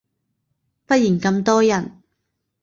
忽然咁多人